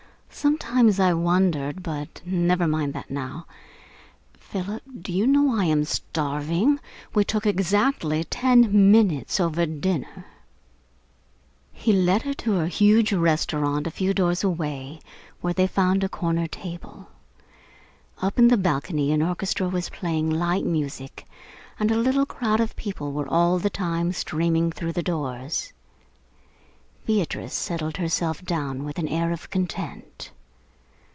"Sometimes I wondered but never mind that now. Philip, do you know I am starving? We took exactly ten minutes over dinner!" He led her to a huge restaurant a few doors away, where they found a corner table. Up in the balcony an orchestra was playing light music, and a little crowd of people were all the time streaming through the doors. Beatrice settled herself down with an air of content.